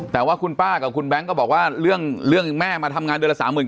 แต่ว่าคุณป้ากับคุณแบ๊งก็บอกว่าเรื่องเรื่องแม่มาทำงานเดือนละสามหมื่น